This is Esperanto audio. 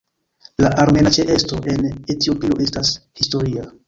La armena ĉeesto en Etiopio estas historia.